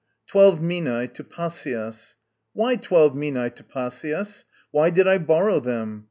... Twelve minae to Pasias.... What! twelve minae to Pasias? ... Why did I borrow these?